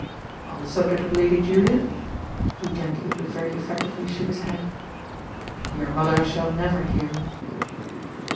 "On the subject of Lady Julia?" He gently, but very effectively, shook his head. "Your mother shall never hear me."